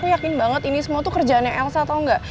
aku yakin banget ini semua tuh kerjaannya elsa atau enggak